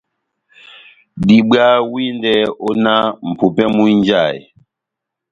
Diwaha windɛ ó náh mʼpupɛ múhínjahe.